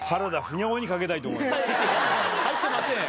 入ってませんよ。